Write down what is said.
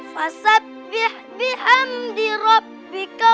fasabih bihamdi rabbika